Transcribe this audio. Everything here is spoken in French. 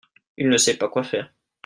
il ne sait pas quoi faire.